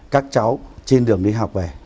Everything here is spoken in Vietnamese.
các cháu trên đường đi học về